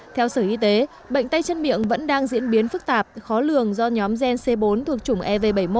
theo sở y tế bệnh tay chân miệng vẫn đang diễn biến phức tạp khó lường do nhóm gen c bốn thuộc chủng ev bảy mươi một